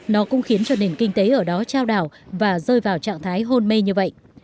nó cũng khiến cho nền kinh tế ở đó trao đảo và rơi vào trạng thái hôn mê như vậy